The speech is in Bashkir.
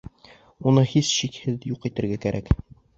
Уны һис шикһеҙ юҡ итергә кәрәк!